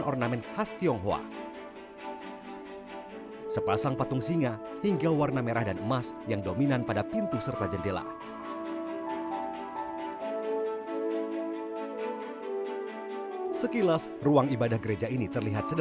ini atau ada yang berubah awal dari bangunan ini paling depan itu rumah pertama